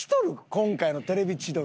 今回の『テレビ千鳥』。